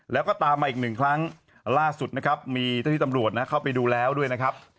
แล้วก็ตามมาอีกหนึ่งครั้งล่าสุดนะครับมีเจ้าที่ตำรวจเข้าไปดูแล้วด้วยนะครับ